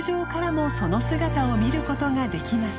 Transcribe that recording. その姿を見ることができます